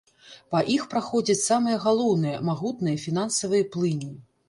Па іх праходзяць самыя галоўныя, магутныя фінансавыя плыні.